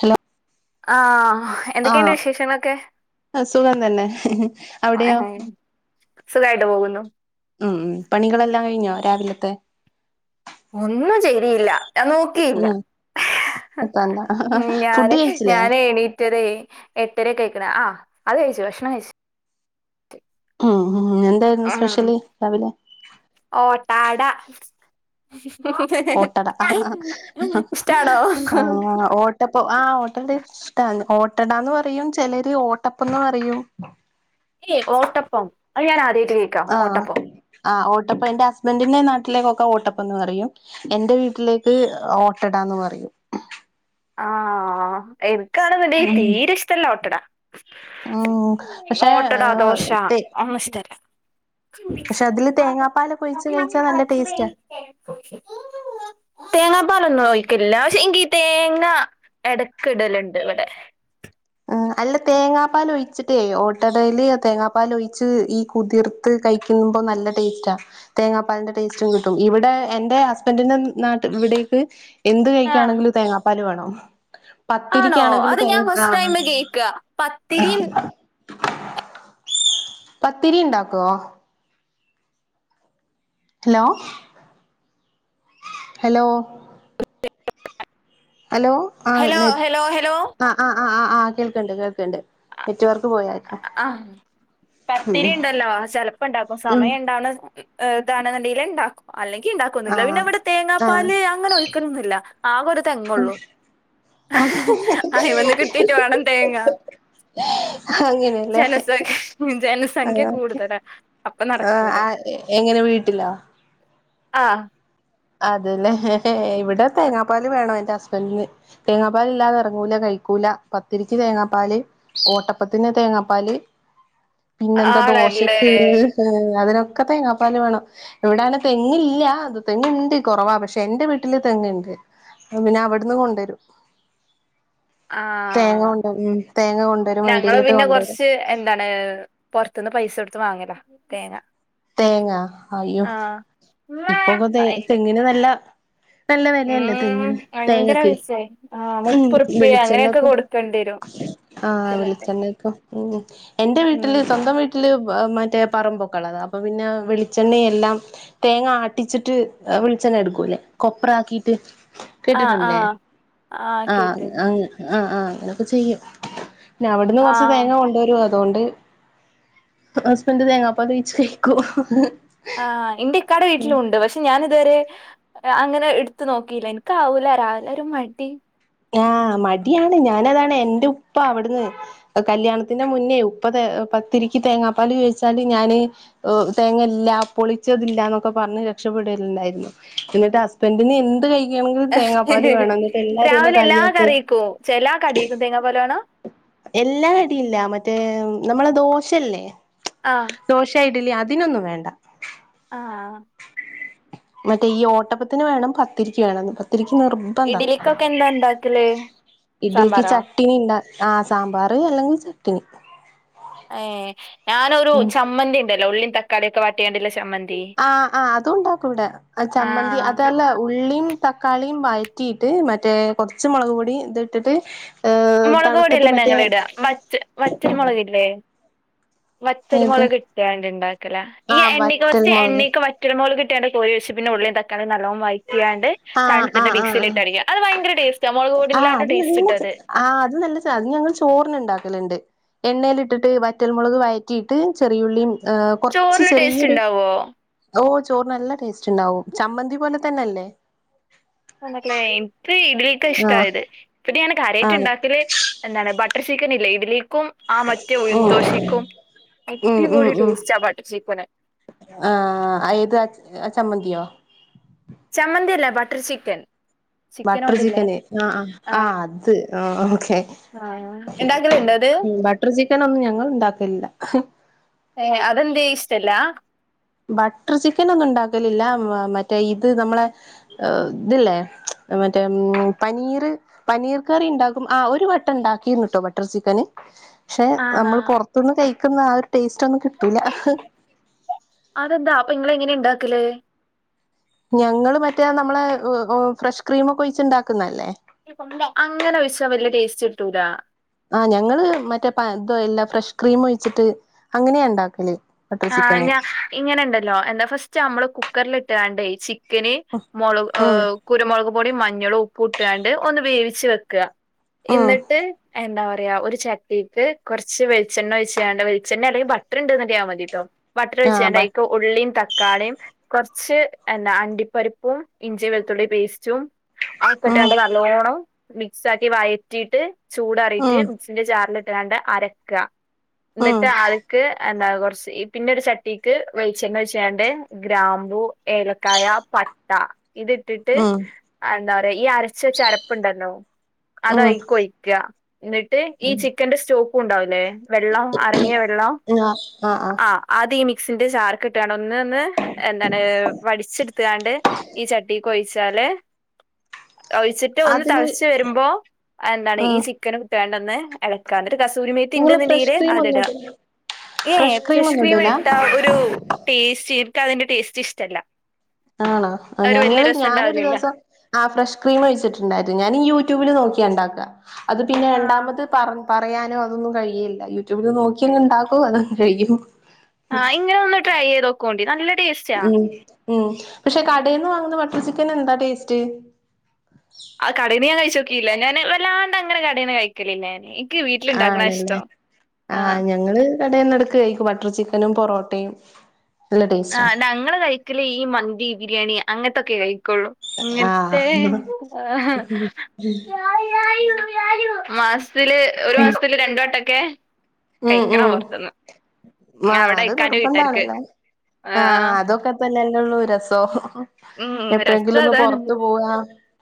Hello ആഹ്, എന്തൊക്കെയ്ണ്ട് ആഹ് വിശേഷങ്ങളൊക്കെ? സുഖം തന്നെ ആഹ് അവിടെയോ ഹയ് സുഖായിട്ട് പോകുന്നു ഉം പണികളെല്ലാം കഴിഞ്ഞോ രാവിലത്തെ? ഒന്നും ചെയ്‌തീല്ല ഞാൻ നോക്കിയില്ല. ഉം ഇപ്പന്താ ഉം ഫുഡ് ഞാന് കഴിച്ചില്ലേ ഞാന് എണീറ്റതേ എട്ടരക്കെ ആയ് ക്ക്ണ് ആഹ് അത് കഴിച്ചു ഭക്ഷണം കഴിച്ചു. ഉം ഹുഹും എന്തായിരുന്നു സ്പെഷ്യല് രാവിലെ? ട്ടാട ഓട്ടട ഇഷ്ടാണോ ഓട്ടപ്പ ആ ഓട്ടണ്ട്. ആന്ന് ഓട്ടടാന്ന് പറയും ചെലര് ഓട്ടപ്പം ന്ന് പറയും. ഏയ് ഓട്ടപ്പം അത് ഞാൻ ആദ്യയിട്ട് കേക്കാ ആഹ് ഓട്ടപ്പം. ആഹ് ഓട്ടപ്പം എന്റെ ഹസ്ബൻറിന്റെ നാട്ടിലേക്കൊക്കെ ഓട്ടപ്പം ന്ന് പറയും എന്റെ വീട്ടിലേക്ക് ഓട്ടടാന്ന് പറയും. ആഹ് എൻക്കാണെന്നെങ്കി ഉം തീരെ ഇഷ്ടല്ല ഓട്ടട. ഉം പക്ഷെ ഓട്ടട ദോശ തെ ഒന്നും ഇഷ്ടല്ല തേങ്ങാപ്പാലൊക്കെ ഒഴിച്ച് കഴിച്ചാ നല്ല ടേസ്റ്റാ തേങ്ങാ പാലൊന്നും ഒയിക്കലില്ല പക്ഷെ ഇൻക് ഈ തേങ്ങ എടക്ക് ഇടല്ണ്ട് ഇവടെ. ഹ് അല്ല തേങ്ങാപ്പാൽ ഒഴിച്ചിട്ടേ ഓട്ട ടേല് തേങ്ങാപ്പാൽ ഒഴിച്ച് ഈ കുതിർത്ത് കയ് ന്നുമ്പൊ നല്ല ടേസ്റ്റാ. തേങ്ങാപ്പാലിന്റെ ടേസ്റ്റും കിട്ടും ഇവിടെ എന്റെ ഹസ്ബൻഡറിന്റെ നാട്ടി ഇവടിം ഹ് എന്ത് ആഹ് കഴിക്കാണെങ്കിലും തേങ്ങാപ്പാല് വേണം പത്തിരിക്കാണെങ്കിൽ തേങ്ങ ആഹ് [unintelligible] കേക്ക പത്തിരിം പത്തിരി ഇണ്ടാക്കുവോ? ഹലോ ഹലോ ഹലോ ആഹ് ഹലോ നെ ഹലോ ഹലോ ആഹ് ആഹ് ആഹ് ആഹ് ആഹ് കേൾക്ക്ണ്ട് കേൾക്ക്ണ്ട് നെറ്റ് വർക്ക് പോയാ ആഹ് പത്തിരി ഇണ്ടല്ലോ ചെലപ്പം ഇണ്ടാക്കും ഉം സമയം ഇണ്ടാവണ ഏഹ് [unintelligible] ഇണ്ടാക്കും അല്ലെങ്കി ഇണ്ടാക്കൊന്നുല്ല ആഹ് പിന്നെ ഇവിടെ ആഹ് തേങ്ങാപ്പാല് അങ്ങനെ ഒയ്ക്കലൊന്നുല്ല ആകെ ഒരു തെങ്ങൊള്ളു ആ അയ്മ്മന്ന് കിട്ടിട്ട് വേണം തേങ്ങ അങ്ങനെയല്ലേ ജനസ ജനസംഖ്യ കൂടുതല അപ്പം നടക്കൂല ആ എങ്ങനെ വീട്ടിലോ ആഹ് അതല്ലേ ഇവിടെ തേങ്ങാപ്പാല് വേണം എന്റെ ഹസ്ബന്റിന് തേങ്ങാപ്പാല് ഇല്ലാതെ എറങ്ങൂല കഴിക്കൂല പത്തിരിക്ക് തേങ്ങാപ്പാല് ഓട്ടപ്പത്തിന് തേ തേങ്ങാപ്പാല് പിന്നെന്താ ആണല്ലേ ദോശക്ക് ഏഹ് അതിനൊ ക്കെ തേങ്ങാപ്പാല് വേണം ഇവിടങ്ങനെ തെങ്ങ്ല്ല അത് തെങ്ങ്ണ്ട് [unintelligible] കൊറവാ പക്ഷെ എന്റെ വീട്ടില് തെങ്ങ്ണ്ട് പിന്നെ അവ്ടുന്ന് കൊണ്ട് രും ആ തേങ്ങ കൊണ്ടുവരും ഞങ്ങള് വണ്ടിയിലിട്ട് പിന്നെ കൊണ്ടുവരും കൊറച്ച്ത്ത് എന്താണ് പൊറത്ത്ന്ന് പൈസ ടുത്ത് വാങ്ങല തേങ്ങ തേങ്ങാ അയ്യോ ആഹ് ഇപ്പൊക്കെ തേ ഭയങ്കര തെങ്ങിന് നല്ല ഇപ്പല്ല വെലയല്ലെ ഉം തെങ്ങിന് ഭയങ്കര തേങ്ങക്ക് പൈസേ ആഹ് [unintelligible] മുപ്പുറുപ്യ അങ്ങനെയൊക്കെ വെളിച്ചെണ്ണക്കും കൊടുക്കേണ്ടി വരും ആഹ് കൊടുക്കലൊക്കെ വെളിച്ചെണ്ണക്കും ഉം എൻറെ ഉം വീട്ടില് സ്വന്തം വീട്ടില് വ മറ്റേ പറമ്പൊക്കെ ഒള്ളതാ അപ്പൊ പിന്നെ വെളിച്ചെണ്ണയെല്ലാം തേങ്ങ ആട്ടിച്ചിട്ട് ഇങ്ങനെ എടുക്കൂ ല്ലെ കൊപ്ര ആക്കീട്ട് ആഹ് കേട്ടിട്ടുല്ലേ ആഹ് ആഹ് ആഹ് ആ ആഹ് അങ്ങനെയൊക്കെ ചെയ്യും പിന്നെ അവിടുന്ന് കൊറച്ച് ആഹ് തേങ്ങ കൊണ്ട് വരും തോണ്ട് ഹസ്ബന്റ് തേങ്ങാപാലൊഴിച്ച് കഴിക്കൂ ആഹ് ഇന്റെ ഇക്കാടെ വീട്ടിലൂണ്ട് പക്ഷെ ഞാൻ ഇതുവരെ അങ്ങനെ എടുത്ത നോക്കിയില്ല എനിക്കാവൂലരാവി ലൊരു മടി ആഹ് മടിയാണ് ഞാന അതാണ് എന്റെ ഉപ്പ അവിടുന്ന് കല്യാണത്തിന്റെ മുന്നേ ഉപ്പത് പത്തിരിക്ക് തേങ്ങാപ്പാൽ ചോദിച്ചാല് ഞാന് തേങ്ങ ഇല്ല പൊളിച്ചതില്ല എന്നൊക്കെ പറഞ് രക്ഷപ്പെടലുണ്ടായിരുന്നു എന്നിട്ട് ഹസ്ബൻഡറിന് എന്ത് കഴിക്കുകണെങ്കും തേങ്ങാപ്പാല് വേണം എന്നിട്ട് എല്ലുരു എന്നെ രാവിലെ എല്ലാ കളിയാക്കി കറിക്കും ചേ എല്ലാ കടീക്കു തേങ്ങാ പാല് വേണ എല്ലാ കടിയില്ല മറ്റേ നമ്മള ദോശയല്ലേ ആഹ് ദോശയി അതിനൊന്നും വേണ്ട ആഹ മറ്റേ ഈ ഓട്ടപ്പത്തിന് വേണം പത്തിരിരിക്ക വേണം പത്തിരി നിർബന്ധ ഇഡലിക്കൊക്കെ എന്താ ഇണ്ടാക്കല് ഇഡലക്ക് സാമ്പാറോ ചട്ടിനി ഇണ്ട ആ സാമ്പാർ അല്ലെങ്കിൽ ചട്ടണി ഏ ഞാനൊരു ചമ്മന്തി ഉണ്ടല്ലേ ഉള്ളിയും തക്കാളിയ ഒക്കെ വാട്ടിയണ്ടല്ലേ ആ ആ് അത ഉണ്ടാക്കുവിടെ ചമ്മന്തി ആഹ് അതല്ല ഉള്ളീ തക്കാളിയും വഴറ്റിയിട്ട് മറ്റേ കുറച്ച് മുളക് പൊട ഇത്ട്ടിട്ട് മുളക് പൊടിയല്ല ഞങ്ങള ഇട വറ്റൽ മുളക്ല്ലേ ഏത് വറ്റൽമോള്ക് ഇട്ടാണ്ട് ഉണ്ടാക്കല ഈ ആഹ് എണ്ണക്ക് വറ്റൽ ഫസ്റ്റ് മുളക് എണ്ണക്ക് വറ്റൽ മോള്ക് കട്ട കോഴ വെച്ച് പിന്നെ ഉള്ളേും തക്കാളീം നല്ലണം വഴറ്റിയണ്ട് തണ്ത്ട്ട് മിക്സിലിട്ടടിക്കാ അ ഭയങ്കര ടേ ആഹ അത് നല്ല ആ അ നല്ല അ ഞങ്ങൾ ചോർണ്ണ ഉണ്ടാക്കലുണ്ട് എണ്ണയിൽ ഇട്ടിട്ട് വറ്റൽമുളക് വയറ്റിയിട്ട് ചെറിയുള്ളിയും ഹ കൊറച്ച് ചോറിന് ടേസ്റ്റ് ചെറിയൊരു ഇണ്ടാവോ ചോറ് നല്ല ടേസ്റ്റ് ഉണ്ടാവും ചമ്മന്തി പോലെ തന്നെല്ലേ എന്നട്ടല്ലേ എനിക്ക് ഇതിലേക്കെ ആഹ് ഇഷ്ടമായത് ഇപ്പൊ ഞാൻ കരയറ്റ് ആഹ് ഉണ്ടാക്കല് എന്തണ് ബട്ടർ ചിക്കൻ ഇല്ല ഇഡലേക്കും ആ മറ്റേ ഉം ഉഴന്തോഷിക്കും അടിപൊളി ടേസ്റ്റ് ആ ബട്ടർ ചിക്കന് ആഹ ഏത് ചമ്മന്തിയോ ചമ്മന്തില ബട്ടർ ചിക്കൻ ബട്ടർ ചിക്കനോണ്ടില്ലേ ചിക്കന് ആ ആ ആ അത് ആ ഓക്കെ ആഹ ണ്ടാക്കലുണ്ടോ ത് ചിക്കനൊന്നും ഞങ്ങൾ ഉണ്ടാക്കല് ല്ല ഏ അതന്തേ ഇഷ്ട ല്ലാ ബട്ടർ ചിക്കൻ ഒന്നും ഉണ്ടാക്കലില്ല മറ്റേ ഇത് നമ്മളെ ത് ലേ മറ്റേ പനീര് പനീർ കറി ഉണ്ടാക്കും ആ ഒരു ബട്ട ഉണ്ടാക്കിന്ന് കേട്ടോ ബട്ടർ ചിക്കന് പക്ഷെ ആണോ നമ്മൾ പുറത്തുനിന്ന് കഴിക്കുന്ന ആ ഒരു ടേസ്റ്റ് ഒന്നും കിട്ടൂല അതെന്താ അപ്പൊ ഇങ്ങൾ ങ്ങനെ ഇണ്ടാക്കൽ ഞങ്ങള് മറ്റേ നമ്മളെ ഫ്രഷ് ക്രീമൊക്കെ ഒഴിച്ചുണ്ടാക്കുന്നല്ലേ അങ്ങനെ ഒഴിച്ചു വല്യ ടേസ്റ്റ് കിട്ടൂല ആഹ് ഞങ്ങള് മറ്റേ ഇത എല്ലാ ഫ്രഷ് ക്രീം ഒഴിച്ചിട്ട് അങ്ങനെയ ഉണ്ടാക്കല് ബട്ടർ ആ ചിക്കന് ഞ ഇങ്ങനെുണ്ടല്ലോ എന്താ ഫസ്റ്റ് നമ്മള് കുക്കറൽ ഇട്ടണ്ടേ ക്കന് മുളക് ഉം കുരുമുളക് പൊടിയ മഞ്ഞളും ഉപ്പ് ഇട്ടുകാണ്ട് ഒന്ന് വേവിച്ച് വെക്കുക ഉം എന്നിട്ട് എന്താ പറ ഒരു ചട്ടിക്ക് കുറച്ച് വെളിച്ചെണ്ണ വെച്ച് ചെയ്യണ്ട വളിച്ചെണ്ണ അല്ലെങ്കിൽ ബട്ടർ ഉണ്ടന്ന്റിയാൻ മതി കേട്ടോ വട്ടറി ആഹ് വെച്ചണ്ട ബ ഇ ഉള്ളീം ത തക്കാളീം കുറച്ച് എന്താ അണ്ടിപ്പരിപ്പും ഇഞ്ചി വെളുത്തുള്ളി പേസ്റ്റും ഉം ഓക്കട്ടാണ്ട് നല്ലോണം മിക്സ് ആക്കി വയറ്റിയിട്ട് ചൂടറിയിട്ട് ഉം മക്സിന്റെ ചാറില ഇട്ടലാണ്ട് അരക്കുക എന്നിട്ട് ആൾക്ക് കൊറച് പിന്നെ ഒരു ചട്ടിക്ക് വേളിച്ചണ്ണ ഒഴിച്ചാണ്ട് ഗ്രാമ്പു ഏലക്കായ പട്ട ഇത് ഇട്ടിട്ട് ഉം ഉം എന്താ പറയാ ഈ ചരപ്പൊണ്ടല്ലോ ഉം അതയിക്ക് ഒയിക്ക ന്നിട്ട് ഈ ചിക്കന്റെ സ്റ്റോ പ്പൂ ഉണ്ടാവല്ലേ വെള്ളം അറങ്ങിയ വെള്ളം ആഹ് ആഹ് ആഹ് ആഹ് അത് ഈ മിക്സിന്റെ ചാർ കിട്ടുകയാണ് ഒന്ന് ഒന്ന് എന്താണ് വടിച്ചെടുത്ത് ത്താണ്ട് ഈ ചട്ടിക്കൊഴിച്ചാല് ഒഴിച്ചിട്ട് ഒന്ന് അതില് തളച്ച് വരുമ്പോ എന്താണ് ഈ ആഹ് ചിക്കന് ഇട്ടേണ്ടന്ന് ഇളക്കാ കസൂരിമേത്തി നിങ്ങള് ഫ്രഷ് ഇണ്ടെന്നുണ്ടെങ്കില് ക്രീം ഒന്നും അതിടാ ഇടൂല ഫ്രഷ് ക്രീം ഇട്ട ഒരു ടേസ്റ്റ് എനിക്ക് അതിന്റെ ടേസ്റ്റ് ഇഷ്ടമല്ല ആണോ ഞങ്ങള് ഞാനൊ ഒരു ഉണ്ടാവില്ലല്ലോ ദിവം ആ ഫ്രഷ് ക്രീം കഴിച്ചിട്ടുണ്ടായിരുന്നു ഞാൻനീ യൂട്യൂബിൽ നോക്കി നോക്കിയ ഉണ്ടാക്ക അത് പിന്നെ ആഹ് രണ്ടാമത് പറ പറയാനോ അതൊന്നും കഴിയില്ല യൂട്യൂബിൽ നോക്കിയങ് ഉണ്ടാക്കോ അതൊന്നും കഴിയും ആ ഇങ്ങനെ ഒന്ന് ട്രൈ ചെയ്ത് നോക്കോണ്ടി നല്ല ടേസ്റ്റാ ഉ ഉം പക്ഷെ കടയിൽന്ന് വാങ്ങുന്ന ബട്ടർ ചിക്കൻ എന്താ ടേസ്റ്റ് ആ കടയിന ഞാൻ കഴിച്ചോക്കില്ല ഞാന് വല്ലാണ്ട് അങ്ങനെ കടയിെ കഴിക്കലില്ല ഞ്ഞാന് ആണല്ലേ ആ ഞങ്ങള് കടന്ന എടക്ക് കയിക്ക ബട്ടർ ചിക്കൻ നും പൊറോട്ടയും നല്ല ആ ടേസ്റ്റാ ഞങ്ങള് കഴിക്കല ഈ മന്തി ബിരിയാണി അങ്ങനത്തൊക്കെ കഴിക്ക ള്ളൂ ആഹ് ഇങ്ങത്തെ മാസത്തില് ഒരു മാസത്തില് രണ്ടു വട്ടക്കെ ഉം കഴിക്കണം ഉം പുറത്തുന്ന് അവിടെ ഇക്കാന്റെ വീട്ടർക്ക് ആ അതൊക്കെ തല്ലല്ലള്ളൂ രസോ ഉം രസം എപ്പോഴെങ്കിലും ഒന്ന് അതാണ് പുറത്ത പോവാ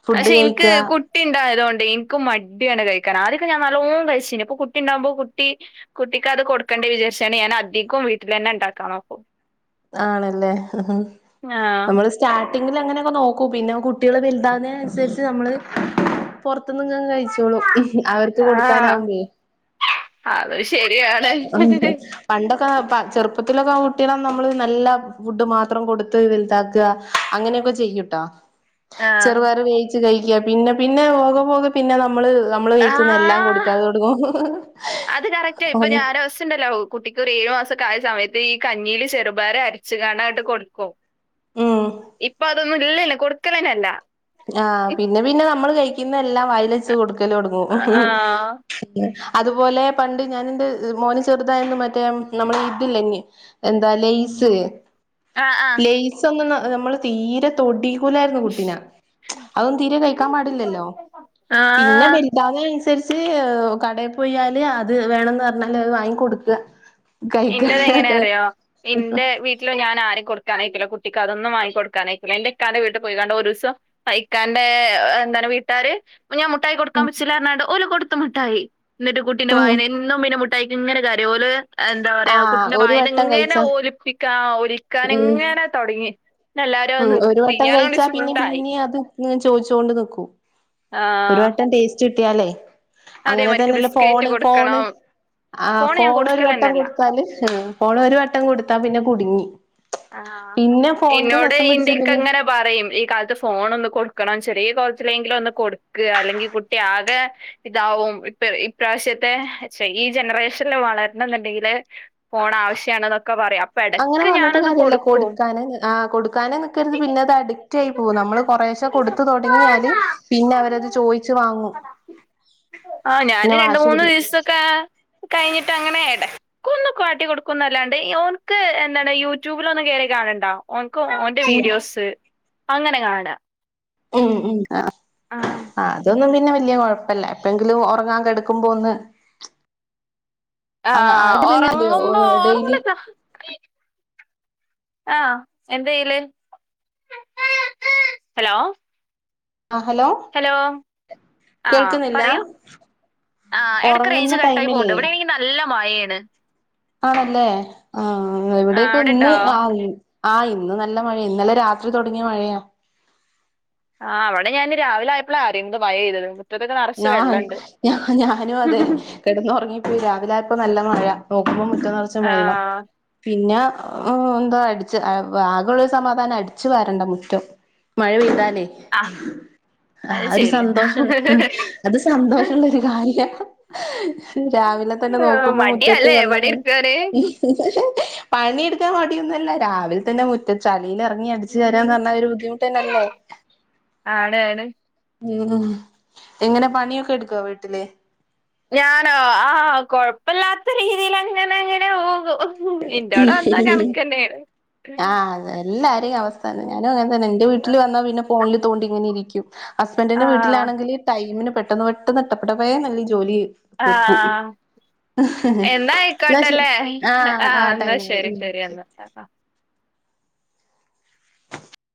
ഫുഡ് പക്ഷെ എനിക്ക് കഴിക്കാ കുട്ടി ഉണ്ടായതൊണ്ട് എനിക്ക് മടിയാണ് കഴിക്ക ആക്കം ഞാൻ നല്ലോ കഴിച്ച ഇപ്പൊ കുട്ടി ഉണ്ടാവുമ്പോ കുട്ട കുട്ടിക്ക അത് കൊടുക്കേണ്ട വിചാരിച്ചാണ് ഞാൻ അധികം വീട്ടിൽ തന്നെ ഉണ്ടാക്കാൻ നോക്കും ആണല്ലേ ആഹ് നമ്മള് സ്റ്റ ട്ടിങ്ങിൽ അങ്ങനെയൊക്കെ നോക്കും പിന്നെ കുട്ടികൾ വലുതാന്നതിന അനുസരിച്ച് നമ്മൾ പൊറത്തിന്ന് ഇങ്ങാൻ കഴിച്ചോളൂ അവർക്ക് കൊടുക്കാനാവുമ്പേ ആത ആ പണ്ടൊക്കെ ചെറുപ്പ ഇപ്പത്തിലൊക്കെ ആ കുട്ടികളെ നമ്മള് നല്ല ഫുഡ് മാത്രം കൊടുത്ത് വലുതാക്കുക അങ്ങനെയൊക്കെ ചെയ്യൂട്ടോ ആഹ്. ചെറുപർ വേയിച്ച് കഴിക്ക പിന്നെ പിന്നെ പോക പോക പിന്നെ നമ്മ നമ്മള് വിക്കുന്ന എല്ലാം ആഹ് കൊടുക്കാതെ കൊടുങ്ങും അപ്പൊ ഞ്ഞാന്ഒരുവാസംവ്യംണ്ടല്ലോ കുട്ടിക്ക് ഏഴ് മാസ കായ സമയത്ത് ഈ കഞ്ഞിയില് ചെറുപാര അരച്ചു കാണാനായിട്ട് കൊടുക്കുവ ഉം ഇപ്പൊ അതൊന്നും ഇല്ലന്ന കൊടുക്കണന്നല്ല ആ പിന്നെ പിന്നെ നമ്മള് കഴിക്കുന്ന എല്ലാം വയി ലച്ച് കൊടുക്കല് ആഹ് കൊടുങ്ങും അതുപോലെ പണ്ട് ഞാന എൻന്റെ മോന് ചെറുതായന്ന് മറ്റേ നമ്മള ഇതില്ലങ്കിൽ ത ലസ് ആഹ് ആഹ് ലൈസൊന്നും നമ്മള് തീരെ തൊടി കുലെന്നു കുട്ടിനെ അതൊന്നും തീരെ കഴിക്കാൻ പാടില്ലല്ലോ പിന്നെ ആഹ്. വാലുതാവ അയിനുസരിച്ച് കടയിൽ പോയാല് അത് വേണംന്ന് പറഞ്ഞാല് അത് വാങ്ങി കൊടുക്ക ഇന്റത് എങ്ങനെ അറിയോ ഇന്റെ വീട്ടില് ഞാൻ അരിം കൊടുക്കാനയക്കുല കുട്ടിക്ക് അതൊന്നുംവങ്ങിക്ക കൊടുക്കനയക്കൂല എന്റെ ഇക്കാന്റെ വീട്ടിൽ പോയികാണ്ട് ഒരു ദിവസം ഇക്കാന്റെ എന്താണ് വീട്ടാര് ഞാൻ മുട്ടായി കൊടുക്കാൻ പച്ചില്ലാന്ന് പറഞ്ഞ് ക്കണ്ട് ഓൽ കൊടുത്ത് മുട്ടായി എന്നിട്ട് കുട്ടിന്റെ ഉം വായിന്ന് എന്നും പിന്നെ മിട്ടാ ട്ട ഇങ്ങനെ കരയും ഓൽ എന്താ പറയാ ആഹ് കുട്ടിന്റെ ഒരു വട്ടം വയന്ന്ങ്ങനെ കഴിച്ചാ ഓലിപ്പിക്കാ വിക്കാന് ഉം ഇങ്ങനെ തുടങ്ങി ഉം ഒരു വട്ടം കഴിച്ചാ പിന്നിം പിന്നിം അത് ചോദിച്ചൊണ്ട് നിക്കും ഒരു ആഹ് വട്ടം ടേസ്റ്റ് കിട്ടിൽ അങ്ങനെ അതേമാതിരിക്ക് തന്നെല്ല ബിസ്ക്കറ്റ് ഫോണ് ഫോണ് കൊടുക്കണം ആ ഫോണ് ഞാൻ ഫോൺ ഒരു വട്ടം കൊടുക്കലന്നല്ല കൊടുത്താല് ഫോൺ ഒരു വട്ടം കൊടുത്താ പിന്നെ കുടുങ്ങി ആ പിന്നെ ഫോണിന്റെ ഇന്നോട് രസം പിടിച്ച് ഇന്റെക്ക പിന്നെ ഇ ങ്ങനെ പറയും ഈ കാലത്ത് ഫോൺ ഒന്ന് കൊടു കൊടുക്കണം ചെറിയ കോലത്തിലെങ്കിലും ഒന്ന് കൊടുക്ക് അല്ലെങ്കിൽ കുട്ടി ആകെ ഇതാവും ഇപ്പ ഇപ്രാവശ്യം ത്തെ പക്ഷേ ഈ ജനറേഷനില് വളരണം എന്നുണ്ടെങ്കില് ഫോൺ ആവശ്യണെന്നൊക്കെ പറയും അപ്പൊ ഇടയ്ക്ക് ഞാനൊന്ന് ഇല്ല കൊടുക്കാന് ആഹ് കൊടുക്കാന് നിക്കരുത് പിന്നെ അത് അടിക്‌റ്റായിപോവും നമ്മള് കൊറേശ കൊടുത്ത് തൊടങ്ങിയാൽ ല് പിന്നെ അവരത് ചോയിച്ചു വാങ്ങും. ആഹ് പിന്നെ ഞാന് രണ്ട് വാശി മൂന്ന് പിടിക്കും ദിവസൊക്കെ കയ്ഞ്ഞിട്ടാ അങ്ങനെ എടക്കൊന്നു കാട്ടി കൊടുക്കുംന്നെല്ലാണ്ട് ഓന്ക്ക് യെന്താണ് യൂ ട്യൂബിലൊന്നും കേറി കാണണ്ട ഓൻക്ക് ഓന്റെ ഉം വീഡിയോസ് അങ്ങനെ കാണാ. ഉം ഉം ആഹ് ആ അതൊന്നും പി ന്നെ വല്യ കൊഴപ്പല്ല എപ്പഴെങ്കിലും ഒറങ്ങാൻ കെടക്കുമ്പോ ഒന്ന് അങ് ആഹ് [unintelligible] പിന്നെ ഒറങ്ങുമ്പോ [unintelligible] ഡെയ്ലി ഒറങ്ങണ ആഹ് എന്തയ്യല് ഹലോ ഹലോ ആഹ് കേൾക്കുന്നില്ല പറയൂ. ആഹ് എടക്ക് ഉറങ്ങുന്ന റേഞ്ച് കട്ടായി ടൈമിലേ പോവ്ണ്ട് ഇവടേണെങ്കി നല്ല മയേണ്. ആണല്ലേ ആഹ് ആഹ് എവിടെേക്ക് ഇന്ന് അവിടെണ്ടോ ആ [unintelligible] ആഹ് ഇന്ന് നല്ല മഴേ ഇന്നലെ രാത്രി തൊടങ്ങിയ മഴയാ. ആഹ് ഇവടെ ഞാന് ന്ന് രാവിലെ ആയപ്പളാ അറിയുന്നത് മയയ്‌തത് ന്ന് ആഹാ ഞ ഞാനും അതെ കെടന്ന് ഒറങ്ങിപ്പോയി രാവിലെ ആയപ്പോ നല്ല മഴ. നോക്കുമ്പോ മുറ്റം നെറച്ചും വെള്ളം ആഹ് പിന്നെ ഓ എന്തോ അടിച് ആകൊള്ള ഒരു സമാധാനം അടിച്ചു വാരണ്ട മുറ്റം മഴ പെയ്താ ലെ ആഹ് ആ അത് ഒരു ശെരിയാ സന്തോഷൊള്ള് ഹ് അത് സന്തോഷള്ളൊരു കാര്യാ രാവിലെ തന്നെ നോക്കുമ്പോ മുറ്റത്ത് വെ വണി ഇട്ക്കാനേ പണി ഇട്ക്കാൻ മടിയൊന്നും അല്ല രാവിലെ തന്നെ മുറ്റ ച ളിലെറങ്ങി അടിച്ച് വാരാന്ന് പറഞ്ഞാ ഒരു ബുദ്ധിമുട്ടന്നല്ലേ. ആണ് ആണ് [unintelligible] എങ്ങനെ പണിയൊക്കെ ഇട്ക്കോ വീട്ടില്? ഞാനോ ആഹ് കൊഴപ്പല്ലാത്ത രീതിയിലങ്ങനെ അങ്ങനെ പോകും. ഇന്റെോടെ വന്നാ കണക്കെന്നേണ്. ആഹ് അതെ എല്ലാരിം അവസ്ഥ അതെന്നെ. ഞാനും അങ്ങനെ തന്നെ ഇന്റെ വീട്ടില് വന്നാ പിന്നെ ഫോണില് തോണ്ടി ഇങ്ങനെ ഇരിക്കും. ഹസ്ബന്റിന്റെ ആഹ് വീട്ടിലാണെങ്കില് ടൈമിന് പെട്ടെന്ന് പെട്ടെന്ന് ടപ്പ് ടപ്പേന്ന് [unintelligible] ജോലിചെയ്യും. ആഹ് എന്നാ ആയിക്കോട്ടല്ലേ [unintelligible] ആഹ് എന്നാ ശരി ശരി എന്നാ ആ. [unintelligible]